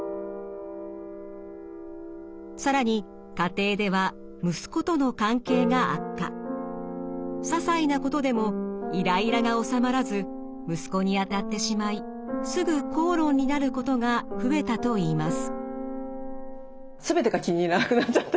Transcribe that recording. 更に家庭ではささいなことでもイライラが収まらず息子に当たってしまいすぐ口論になることが増えたといいます。